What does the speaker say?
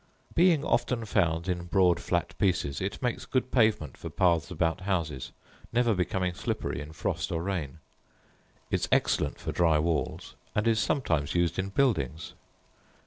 Being often found in broad flat pieces, it makes good pavement for paths about houses, never becoming slippery in frost or rain; is excellent for dry walls, and is sometimes used in buildings.